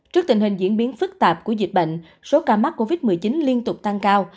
trước tình hình diễn biến phức tạp của dịch bệnh số ca mắc covid một mươi chín liên tục tăng cao